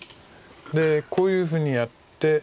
でこういうふうにやって。